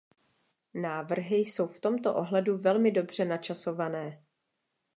Návrhy jsou v tomto ohledu velmi dobře načasované.